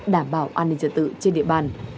đảm bảo an ninh trả tự trên địa bàn